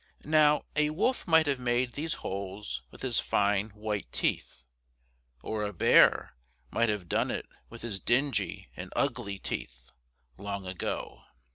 Now a wolf might have made these holes with his fine white teeth, or a bear might have done it with his dingy and ugly teeth, long ago.